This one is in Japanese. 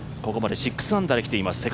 ここまで６アンダーできています